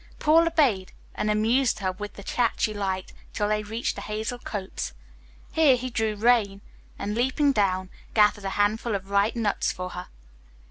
Paul obeyed, and amused her with the chat she liked till they reached a hazel copse; here he drew rein, and, leaping down, gathered a handful of ripe nuts for her.